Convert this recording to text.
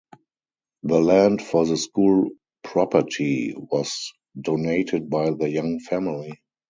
The land for the school property was donated by the Young family.